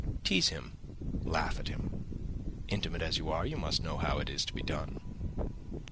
Tease him laugh at him. Intimate as you are, you must know how it is to be done."